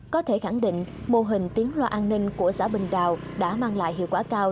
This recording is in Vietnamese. có thể khẳng định mô hình tiếng loa an ninh của xã bình đào đã mang lại hiệu quả cao